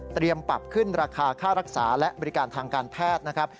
ปรับขึ้นราคาค่ารักษาและบริการทางการแพทย์นะครับ